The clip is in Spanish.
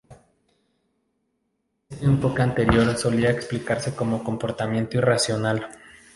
Este enfoque anteriormente solía explicarse como comportamiento irracional.